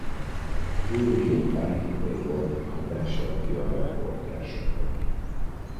Főként tájképei voltak hatással a fiatal kortársakra.